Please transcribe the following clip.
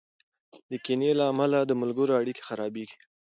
د کینې له امله د ملګرو اړیکې خرابېږي.